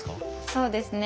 そうですね。